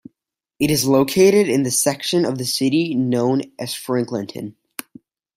It is located in the section of the city known as Franklinton.